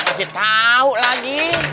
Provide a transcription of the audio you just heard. masih tau lagi